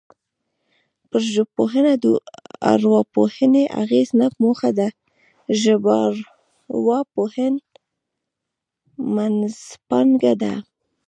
پر ژبپوهنه د ارواپوهنې اغېز نه موخه د ژبارواپوهنې منځپانګه ده